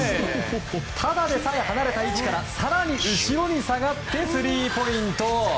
ただでさえ離れた位置から更に後ろに下がってスリーポイント！